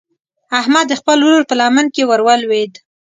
احمد د خپل ورور په لمن کې ور ولوېد.